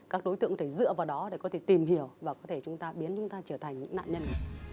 các đối tượng có thể dựa vào đó để có thể tìm hiểu và có thể biến chúng ta trở thành nạn nhân